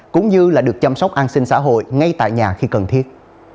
cũng như được chăm sóc an sinh xã hội ngay tại nhà khi cần thiết